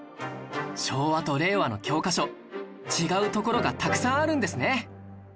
昭和と令和の教科書違うところがたくさんあるんですね